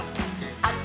「あっち！